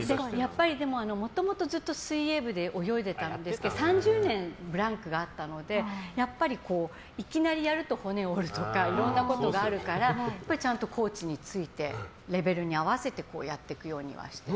やっぱり、もともとずっと水泳部で泳いでたんですけど３０年、ブランクがあったのでやっぱりいきなりやると骨を折るとかいろんなことがあるからちゃんとコーチについてレベルに合わせてやっていくようにはしてます。